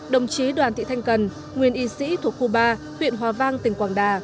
đồng chí đoàn thị thanh cần nguyên y sĩ thuộc khu ba huyện hòa vang tỉnh quảng đà